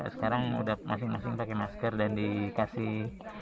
sekarang udah masing masing pakai masker dan dikasih